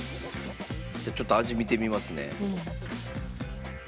じゃちょっと味みてみますね。